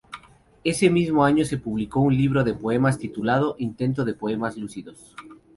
Ese mismo año se publicó un libro de poemas titulado "Intento de poemas lúdicos".